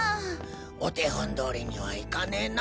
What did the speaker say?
お手本どおりにはいかねえな。